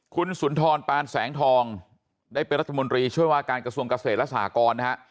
คุณสุนทรปานแสงทองได้เป็นรัฐมนตรีช่วยว่าการกระทรวงเกษตรและสหกรนะฮะ